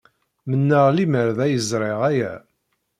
Mennaɣ lemmer d ay ẓriɣ aya.